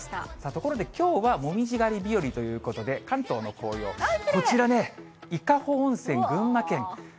ところできょうは紅葉狩り日和ということで、関東の紅葉、こちらね、伊香保温泉、群馬県。